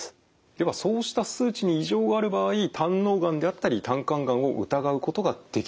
ではそうした数値に異常がある場合胆のうがんであったり胆管がんを疑うことができるということですか？